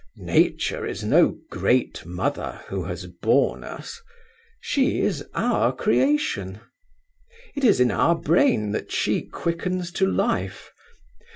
Nature is no great mother who has borne us. She is our creation. It is in our brain that she quickens to life.